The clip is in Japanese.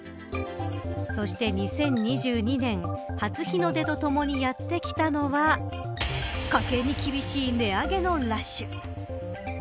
そして、２０２２年初日の出とともにやってきたのは家計に厳しい値上げのラッシュ。